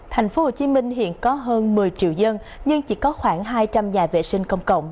thành phố hồ chí minh hiện có hơn một mươi triệu dân nhưng chỉ có khoảng hai trăm linh nhà vệ sinh công cộng